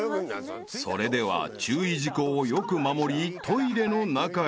［それでは注意事項をよく守りトイレの中へ］